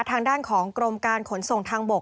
ทางด้านของกรมการขนส่งทางบก